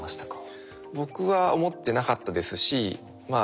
僕は思ってなかったですし